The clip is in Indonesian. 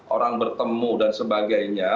orang bertemu dan sebagainya